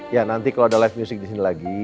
ya nanti kalau ada live music disini lagi